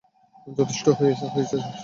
যথেষ্ট হয়ে স্যার?